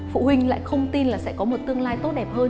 phụ huynh lại không tin là sẽ có một tương lai tốt đẹp hơn